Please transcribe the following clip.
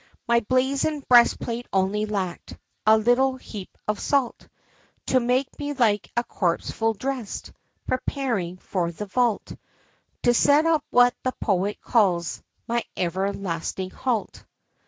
XVI. My brazen breast plate only lack'd A little heap of salt, To make me like a corpse full dress'd, Preparing for the vault To set up what the Poet calls My everlasting halt.